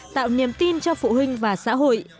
tạo niềm tin cho phụ huynh và xã hội